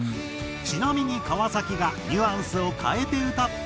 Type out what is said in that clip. ちなみに川崎がニュアンスを変えて歌ったのがこちら。